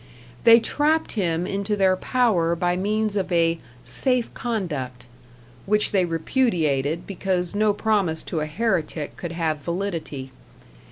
They trapped him into their power by means of a "safe conduct" which they repudiated because no promise to a heretic could have validity.